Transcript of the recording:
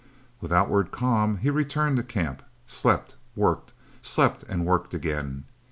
With outward calm he returned to camp, slept, worked, slept and worked again.